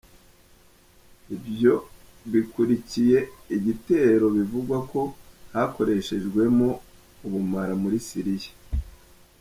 Ivyo bikurikiye igitero bivugwa ko hakoreshejwemwo ubumara muri Syria.